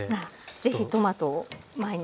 是非トマトを毎日。